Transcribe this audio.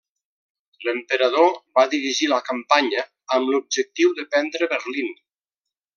L'Emperador va dirigir la campanya amb l'objectiu de prendre Berlín.